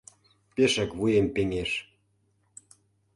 Пешак вуем пеҥеш...